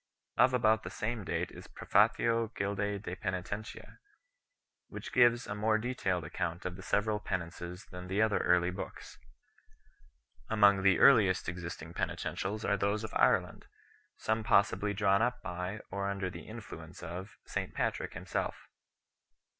Of about the same date is the Prefatio Gildce de Peni tentia 5 , which gives a more detailed account of the several penances than the other early books. Among the earliest existing penitentials are those of Ireland 6 , some possibly drawn up by, or under the influence of, St Patrick him self.